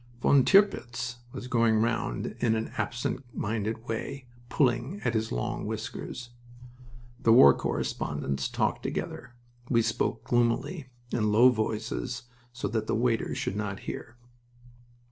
"Von Tirpitz" was going round in an absent minded way, pulling at his long whiskers. The war correspondents talked together. We spoke gloomily, in low voices, so that the waiters should not hear.